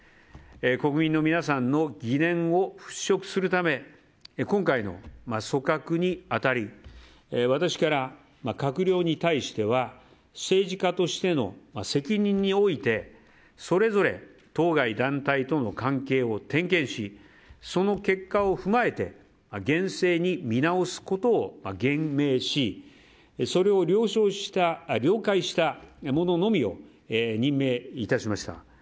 国民の皆さんの疑念を払しょくするため今回の組閣に当たり私から閣僚に対しては政治家としての責任においてそれぞれ、当該団体との関係を点検しその結果を踏まえて厳正に見直すことを厳命しそれを了解した者のみを任命いたしました。